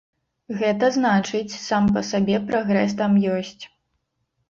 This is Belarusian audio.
Гэта значыць сам па сабе прагрэс там ёсць.